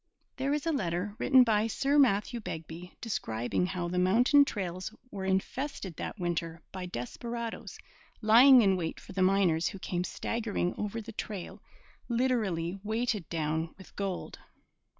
There is a letter, written by Sir Matthew Begbie, describing how the mountain trails were infested that winter by desperadoes lying in wait for the miners who came staggering over the trail literally weighted down with gold.